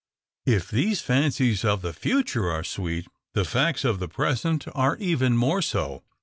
If these fancies of the future are sweet, the facts of the present are even more so.